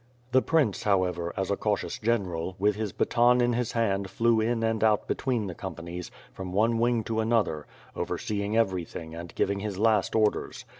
The prince, however, as a cautious general, with his baton in his hand flew in and out between the companies, from one wing to another, overseeing everything and giving his last orders.